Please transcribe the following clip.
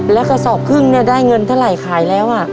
แล้วกระสอบครึ่งเนี่ยได้เงินเท่าไหร่ขายแล้ว